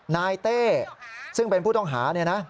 นายเต้ซึ่งเป็นผู้ต้องหา